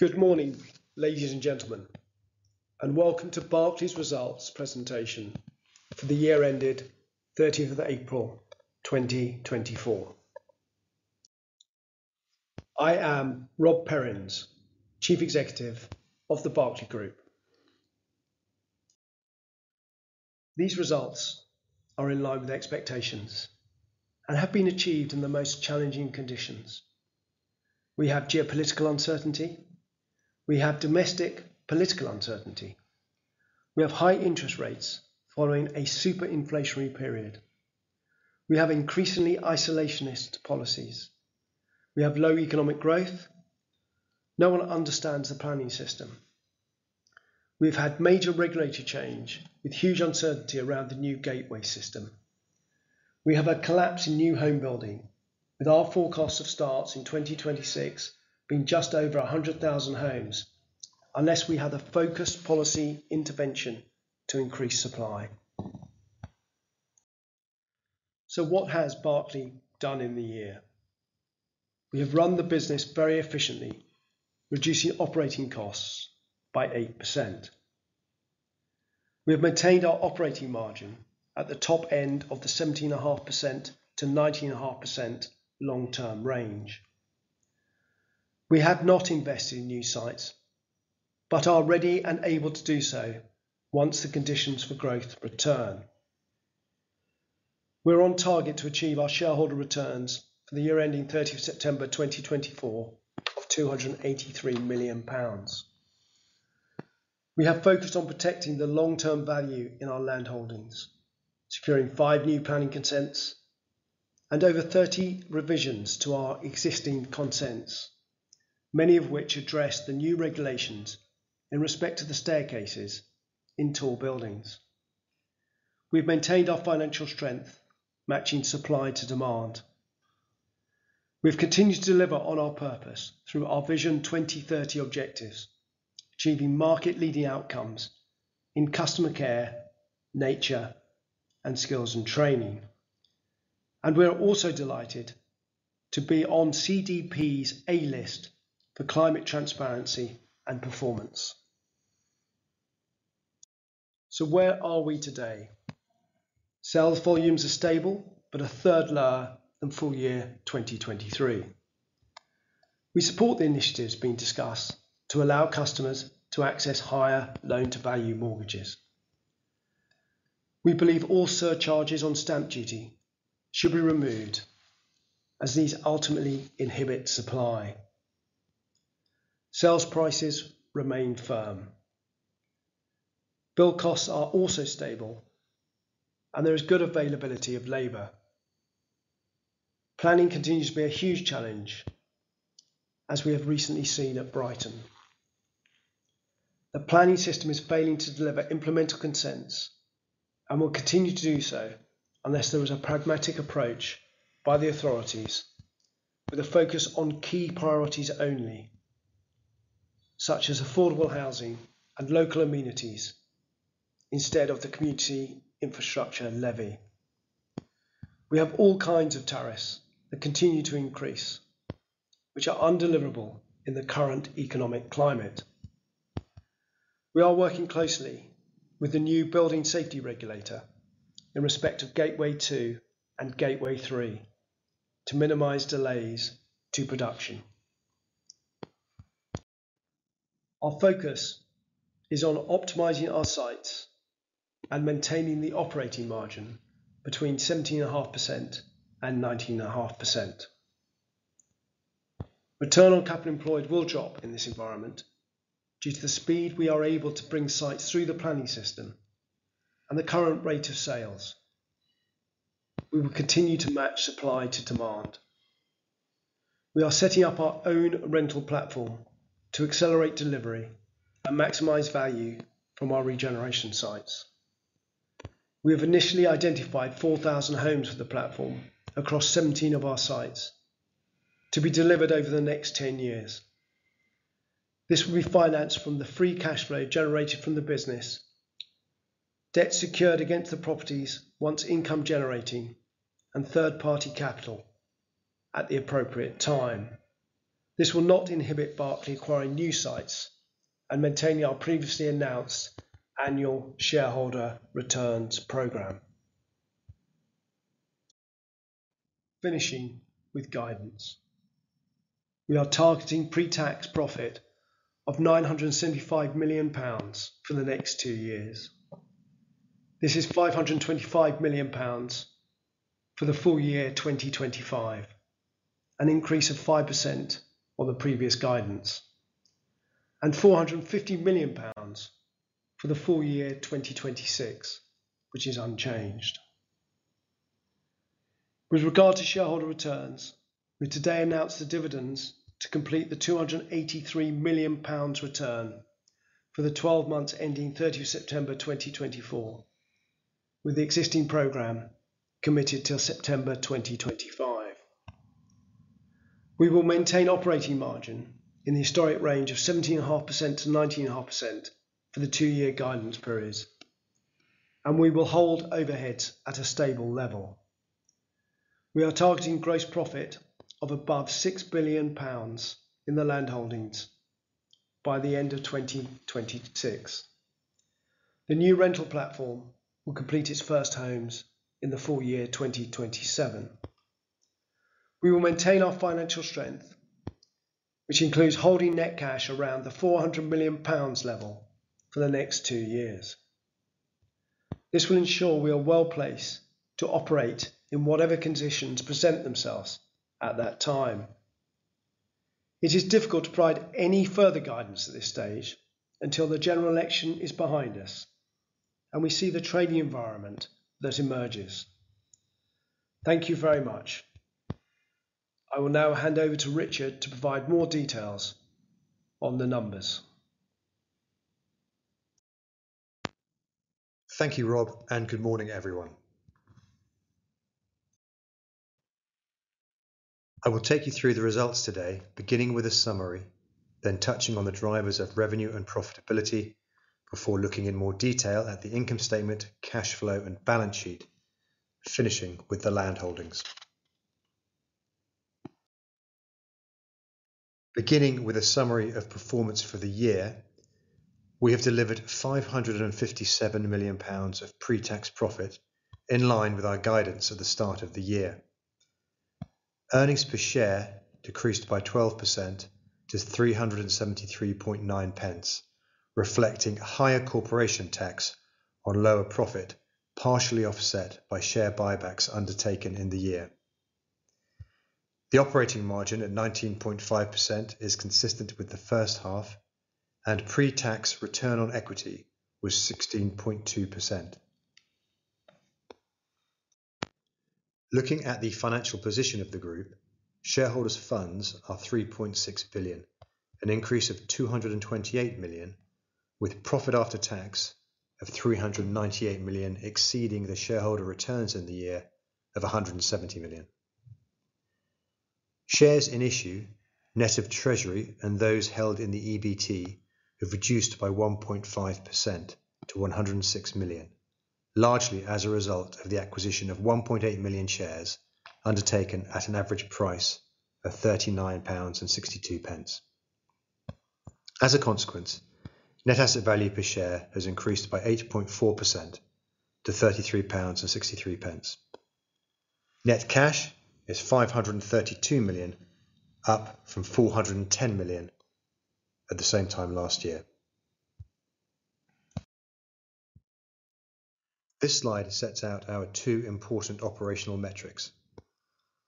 Good morning, ladies and gentlemen, and welcome to Berkeley's results presentation for the year ended 30th of April, 2024. I am Rob Perrins, Chief Executive of The Berkeley Group. These results are in line with expectations and have been achieved in the most challenging conditions. We have geopolitical uncertainty, we have domestic political uncertainty, we have high interest rates following a super inflationary period. We have increasingly isolationist policies. We have low economic growth. No one understands the planning system. We've had major regulatory change, with huge uncertainty around the new gateway system. We have a collapse in new home building, with our forecast of starts in 2026 being just over 100,000 homes, unless we have a focused policy intervention to increase supply. So what has Berkeley done in the year? We have run the business very efficiently, reducing operating costs by 8%. We have maintained our operating margin at the top end of the 17.5%-19.5% long-term range. We have not invested in new sites, but are ready and able to do so once the conditions for growth return. We're on target to achieve our shareholder returns for the year ending 30th September 2024 of 283 million pounds. We have focused on protecting the long-term value in our land holdings, securing five new planning consents and over 30 revisions to our existing consents, many of which address the new regulations in respect to the staircases in tall buildings. We've maintained our financial strength, matching supply to demand. We've continued to deliver on our purpose through our Vision 2030 objectives, achieving market-leading outcomes in customer care, nature, and skills and training. We are also delighted to be on CDP's A List for climate transparency and performance. Where are we today? Sales volumes are stable, but a third lower than full year 2023. We support the initiatives being discussed to allow customers to access higher loan-to-value mortgages. We believe all surcharges on stamp duty should be removed, as these ultimately inhibit supply. Sales prices remain firm. Build costs are also stable, and there is good availability of labor. Planning continues to be a huge challenge, as we have recently seen at Brighton. The planning system is failing to deliver implementable consents and will continue to do so unless there is a pragmatic approach by the authorities, with a focus on key priorities only, such as affordable housing and local amenities, instead of the Community Infrastructure Levy. We have all kinds of tariffs that continue to increase, which are undeliverable in the current economic climate. We are working closely with the new Building Safety Regulator in respect of Gateway 2 and Gateway 3 to minimize delays to production. Our focus is on optimizing our sites and maintaining the operating margin between 17.5% and 19.5%. Return on capital employed will drop in this environment due to the speed we are able to bring sites through the planning system and the current rate of sales. We will continue to match supply to demand. We are setting up our own rental platform to accelerate delivery and maximize value from our regeneration sites. We have initially identified 4,000 homes for the platform across 17 of our sites, to be delivered over the next 10 years. This will be financed from the free cash flow generated from the business, debt secured against the properties once income generating, and third-party capital at the appropriate time. This will not inhibit Berkeley acquiring new sites and maintaining our previously announced annual shareholder returns program. Finishing with guidance. We are targeting pre-tax profit of 975 million pounds for the next two years. This is 525 million pounds for the full year 2025, an increase of 5% on the previous guidance, and 450 million pounds for the full year 2026, which is unchanged. With regard to shareholder returns, we today announced the dividends to complete the 283 million pounds return for the twelve months ending 30th September 2024, with the existing program committed till September 2025. We will maintain operating margin in the historic range of 17.5%-19.5% for the two-year guidance periods, and we will hold overheads at a stable level. We are targeting gross profit of above 6 billion pounds in the land holdings by the end of 2026. The new rental platform will complete its first homes in the full year 2027. We will maintain our financial strength, which includes holding net cash around the 400 million pounds level for the next two years. This will ensure we are well placed to operate in whatever conditions present themselves at that time. It is difficult to provide any further guidance at this stage until the general election is behind us, and we see the trading environment that emerges. Thank you very much. I will now hand over to Richard to provide more details on the numbers. Thank you, Rob, and good morning, everyone. I will take you through the results today, beginning with a summary, then touching on the drivers of revenue and profitability, before looking in more detail at the income statement, cash flow, and balance sheet, finishing with the land holdings. Beginning with a summary of performance for the year, we have delivered 557 million pounds of pre-tax profit, in line with our guidance at the start of the year. Earnings per share decreased by 12% to 3.739, reflecting higher corporation tax on lower profit, partially offset by share buybacks undertaken in the year. The operating margin at 19.5% is consistent with the first half, and pre-tax return on equity was 16.2%. Looking at the financial position of the group, shareholders' funds are 3.6 billion, an increase of 228 million, with profit after tax of 398 million exceeding the shareholder returns in the year of 170 million. Shares in issue, net of Treasury and those held in the EBT, have reduced by 1.5% to 106 million, largely as a result of the acquisition of 1.8 million shares undertaken at an average price of 39.62 pounds. As a consequence, net asset value per share has increased by 8.4% to 33.63 pounds. Net cash is 532 million, up from 410 million at the same time last year. This slide sets out our two important operational metrics.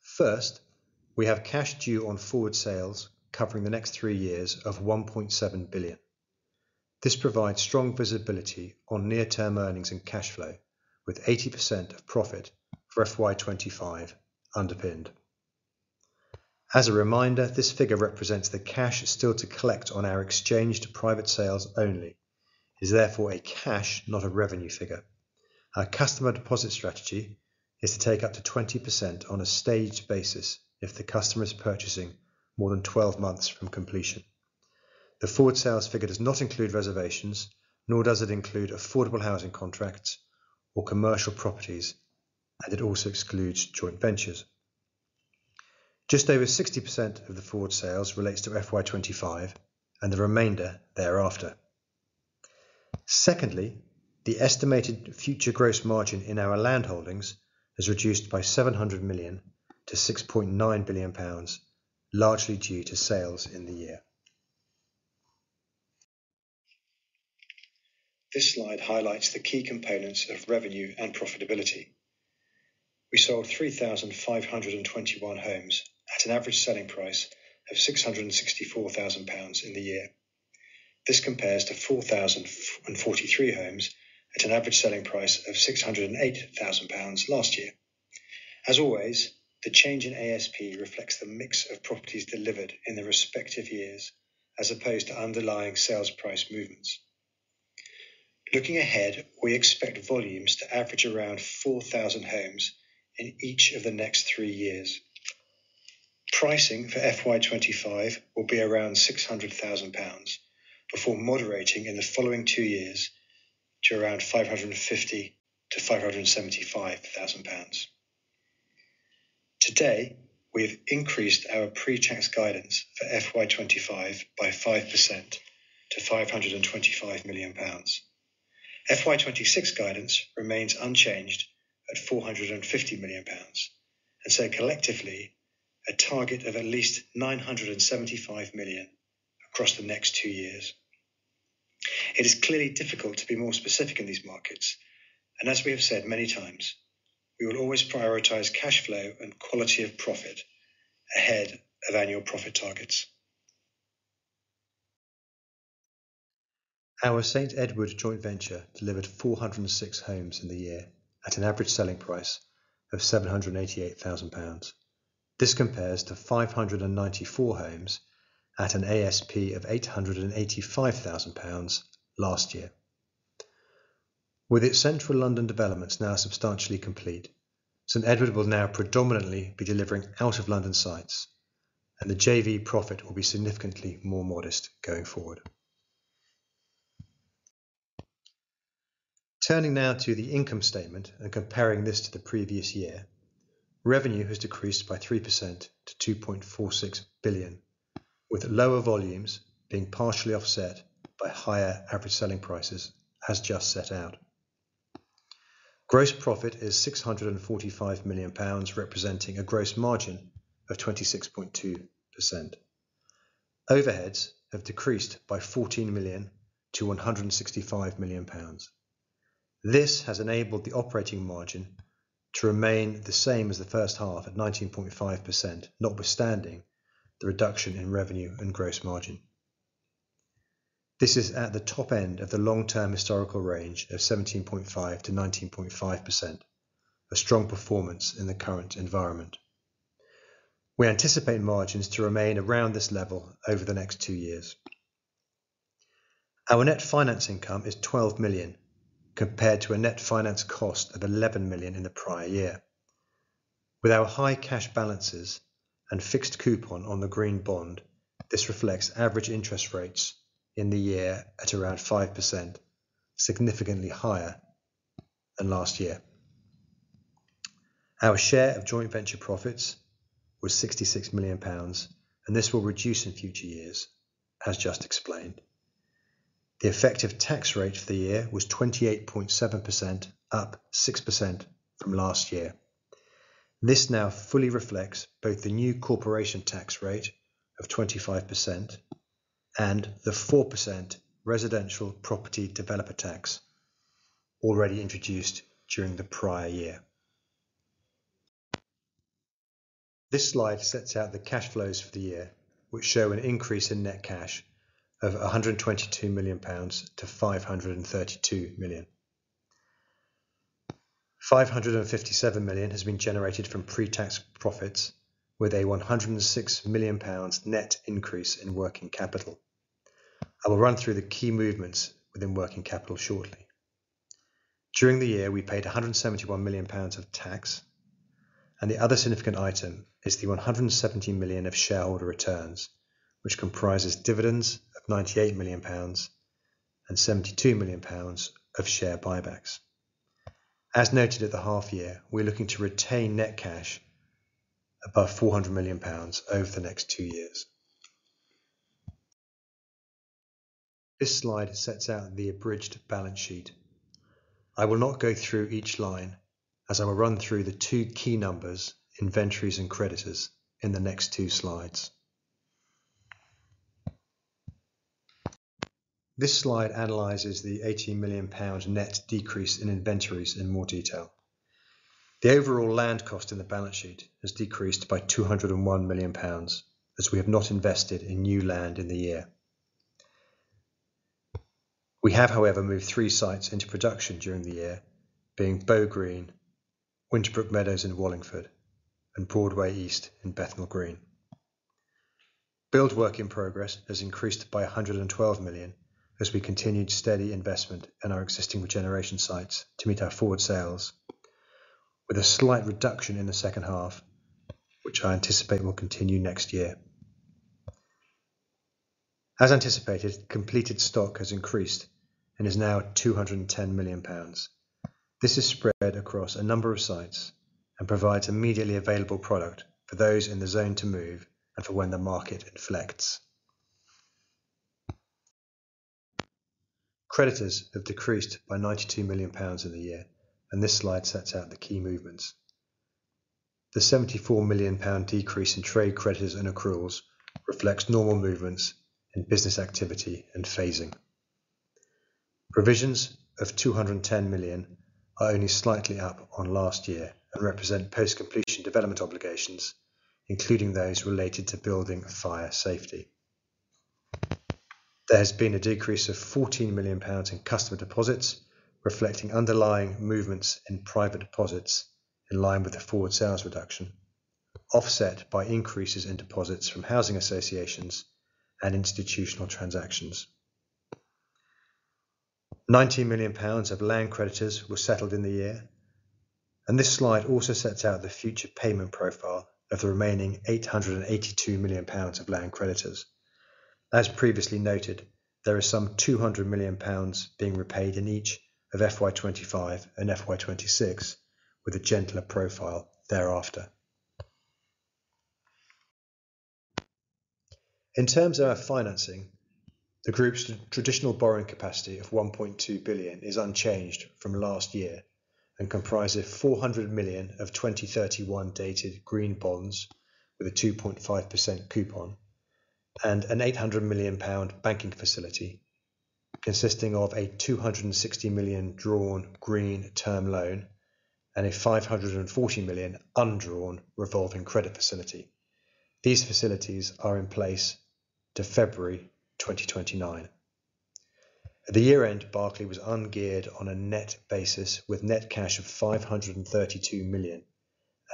First, we have cash due on forward sales covering the next three years of 1.7 billion. This provides strong visibility on near-term earnings and cash flow, with 80% of profit for FY 2025 underpinned. As a reminder, this figure represents the cash still to collect on our exchange to private sales only, is therefore a cash, not a revenue figure. Our customer deposit strategy is to take up to 20% on a staged basis if the customer is purchasing more than 12 months from completion. The forward sales figure does not include reservations, nor does it include affordable housing contracts or commercial properties, and it also excludes joint ventures. Just over 60% of the forward sales relates to FY 2025 and the remainder thereafter. Secondly, the estimated future gross margin in our land holdings has reduced by 700 million to 6.9 billion pounds, largely due to sales in the year. This slide highlights the key components of revenue and profitability. We sold 3,521 homes at an average selling price of 664,000 pounds in the year. This compares to 4,043 homes at an average selling price of 608,000 pounds last year. As always, the change in ASP reflects the mix of properties delivered in the respective years, as opposed to underlying sales price movements. Looking ahead, we expect volumes to average around 4,000 homes in each of the next three years. Pricing for FY 2025 will be around 600,000 pounds, before moderating in the following two years to around 550,000-575,000 pounds. Today, we have increased our pre-tax guidance for FY 2025 by 5% to 525 million pounds. FY 2026 guidance remains unchanged at 450 million pounds, and so collectively, a target of at least 975 million across the next two years. It is clearly difficult to be more specific in these markets, and as we have said many times, we will always prioritize cash flow and quality of profit ahead of annual profit targets. Our St Edward joint venture delivered 406 homes in the year at an average selling price of 788,000 pounds. This compares to 594 homes at an ASP of 885,000 pounds last year. With its central London developments now substantially complete, St Edward will now predominantly be delivering out of London sites, and the JV profit will be significantly more modest going forward. Turning now to the income statement and comparing this to the previous year, revenue has decreased by 3% to 2.46 billion, with lower volumes being partially offset by higher average selling prices, as just set out. Gross profit is 645 million pounds, representing a gross margin of 26.2%. Overheads have decreased by 14 million to 165 million pounds. This has enabled the operating margin to remain the same as the first half at 19.5%, notwithstanding the reduction in revenue and gross margin. This is at the top end of the long-term historical range of 17.5%-19.5%, a strong performance in the current environment. We anticipate margins to remain around this level over the next two years. Our net finance income is 12 million, compared to a net finance cost of 11 million in the prior year. With our high cash balances and fixed coupon on the green bond, this reflects average interest rates in the year at around 5%, significantly higher than last year. Our share of joint venture profits was 66 million pounds, and this will reduce in future years, as just explained. The effective tax rate for the year was 28.7%, up 6% from last year. This now fully reflects both the new corporation tax rate of 25% and the 4% Residential Property Developer Tax already introduced during the prior year. This slide sets out the cash flows for the year, which show an increase in net cash of 122 million pounds to 532 million. 557 million has been generated from pre-tax profits, with a 106 million pounds net increase in working capital. I will run through the key movements within working capital shortly. During the year, we paid 171 million pounds of tax, and the other significant item is the 117 million of shareholder returns, which comprises dividends of 98 million pounds and 72 million pounds of share buybacks. As noted at the half year, we're looking to retain net cash above 400 million pounds over the next two years. This slide sets out the abridged balance sheet. I will not go through each line, as I will run through the two key numbers, inventories and creditors, in the next two slides. This slide analyzes the 80 million pound net decrease in inventories in more detail. The overall land cost in the balance sheet has decreased by 201 million pounds, as we have not invested in new land in the year. We have, however, moved three sites into production during the year, being Bow Green, Winterbrook Meadows in Wallingford, and Broadway East in Bethnal Green. Build work in progress has increased by 112 million, as we continued steady investment in our existing regeneration sites to meet our forward sales, with a slight reduction in the second half, which I anticipate will continue next year. As anticipated, completed stock has increased and is now 210 million pounds. This is spread across a number of sites and provides immediately available product for those in the zone to move and for when the market inflects. Creditors have decreased by 92 million pounds in the year, and this slide sets out the key movements. The 74 million pound decrease in trade creditors and accruals reflects normal movements in business activity and phasing. Provisions of 210 million are only slightly up on last year and represent post-completion development obligations, including those related to building fire safety. There has been a decrease of 14 million pounds in customer deposits, reflecting underlying movements in private deposits in line with the forward sales reduction, offset by increases in deposits from housing associations and institutional transactions. 90 million pounds of land creditors were settled in the year, and this slide also sets out the future payment profile of the remaining 882 million pounds of land creditors. As previously noted, there are some 200 million pounds being repaid in each of FY 2025 and FY 2026, with a gentler profile thereafter. In terms of our financing, the group's traditional borrowing capacity of 1.2 billion is unchanged from last year and comprises 400 million of 2031 dated green bonds with a 2.5% coupon and a 800 million pound banking facility, consisting of a 260 million drawn green term loan and a 540 million undrawn revolving credit facility. These facilities are in place to February 2029. At the year-end, Berkeley was ungeared on a net basis, with net cash of 532 million,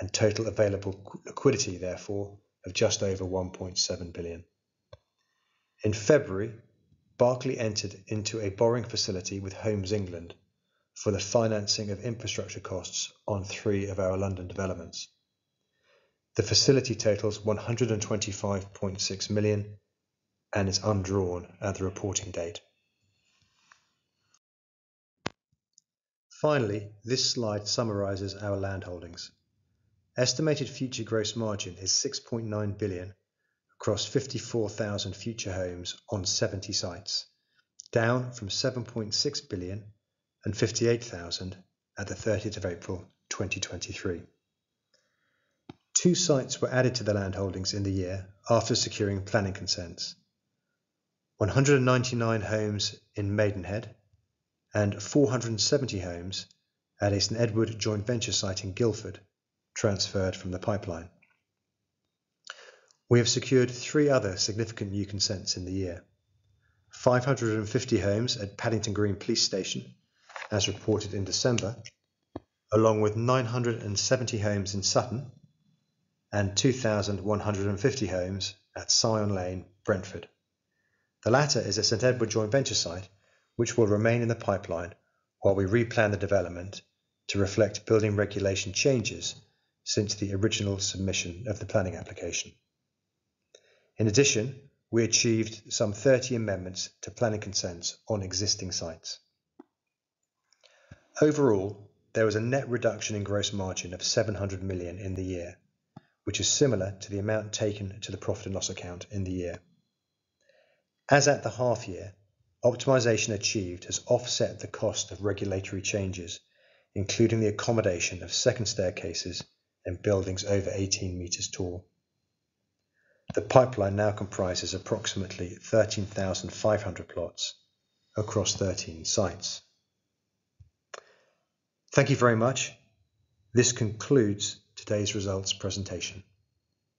and total available liquidity, therefore, of just over 1.7 billion. In February, Berkeley entered into a borrowing facility with Homes England for the financing of infrastructure costs on three of our London developments. The facility totals 125.6 million and is undrawn at the reporting date. Finally, this slide summarizes our land holdings. Estimated future gross margin is 6.9 billion across 54,000 future homes on 70 sites, down from 7.6 billion and 58,000 at the 30th of April, 2023. Two sites were added to the land holdings in the year after securing planning consents. 199 homes in Maidenhead and 470 homes at a St Edward joint venture site in Guildford, transferred from the pipeline. We have secured three other significant new consents in the year. 550 homes at Paddington Green Police Station, as reported in December, along with 970 homes in Sutton and 2,150 homes at Syon Lane, Brentford. The latter is a St. Edward joint venture site, which will remain in the pipeline while we replan the development to reflect building regulation changes since the original submission of the planning application. In addition, we achieved some 30 amendments to planning consents on existing sites. Overall, there was a net reduction in gross margin of 700 million in the year, which is similar to the amount taken to the profit and loss account in the year. As at the half year, optimization achieved has offset the cost of regulatory changes, including the accommodation of second staircases in buildings over 18 m tall. The pipeline now comprises approximately 13,500 plots across 13 sites. Thank you very much. This concludes today's results presentation.